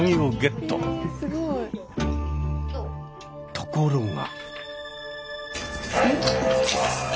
ところが。